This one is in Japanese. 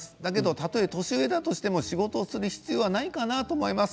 たとえ年上だとしても仕事をする必要はないかなと思います。